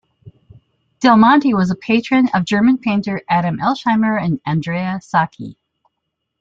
Del Monte was a patron of German painter Adam Elsheimer and Andrea Sacchi.